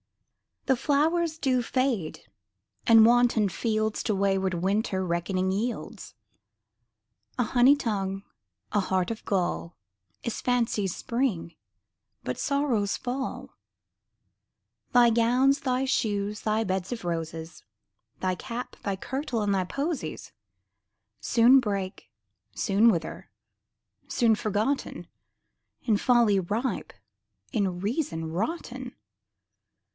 The flowers do fade ; and wanton fields To wayward winter reckoning yields : A honey tongue, a heart of gall, Is fancy's spring, but sorrow's fall. Thy gowns, thy shoes, thy beds of roses, Thy cap, thy kirtle, and thy posies Soon break, soon wither, soon forgotten, In folly ripe, in reason rotten.